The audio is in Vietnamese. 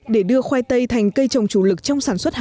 để đưa khoai tây thành cây trồng chủ lực trong sản xuất hàng